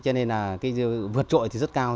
cho nên là cái vật trội thì rất cao